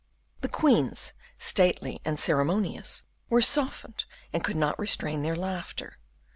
The queens, stately and ceremonious, were softened and could not restrain their laughter.